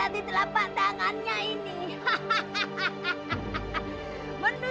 kita harus pergi